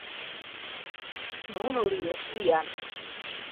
Муно лиеш ӱян